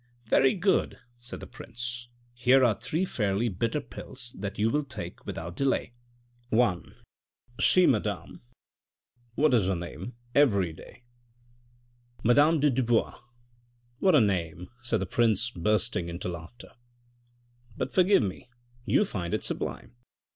" Very good," said the prince, "here are three fairly bitter pills that you will take without delay. " 1. See madame What is her name, every day?" 404 THE RED AND THE BLACK " Madame de Dubois." " What a name !" said the prince bursting into laughter. " But forgive me, you find it sublime.